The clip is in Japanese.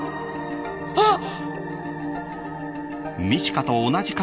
あっ！